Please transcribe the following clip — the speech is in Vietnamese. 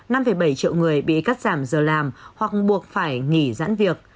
năm bảy triệu người bị cắt giảm giờ làm hoặc buộc phải nghỉ giãn việc